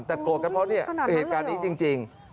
แต่โกรธกันเพราะเนี่ยเหตุการณ์นี้จริง